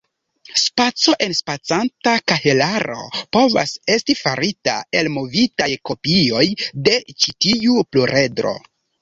Spaco-enspacanta kahelaro povas esti farita el movitaj kopioj de ĉi tiu pluredro.